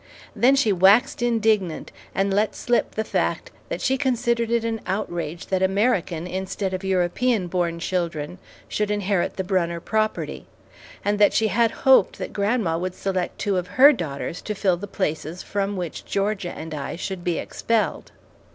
Then she waxed indignant and let slip the fact that she considered it an outrage that American, instead of European born children should inherit the Brunner property, and that she had hoped that grandma would select two of her daughters to fill the places from which Georgia and I should be expelled.